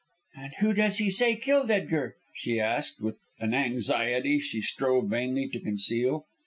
"And who does he say killed Edgar?" she asked, with an anxiety she strove vainly to conceal.